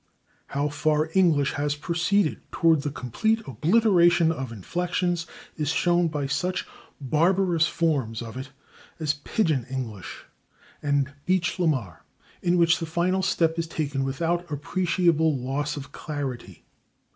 How far English has proceeded toward the complete obliteration of inflections is shown by such barbarous forms of it as Pigeon English and Beach la Mar, in which the final step is taken without appreciable loss of clarity.